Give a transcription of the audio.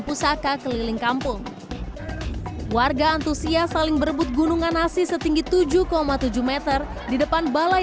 pusaka keliling kampung warga antusias saling berebut gunungan nasi setinggi tujuh tujuh m di depan balai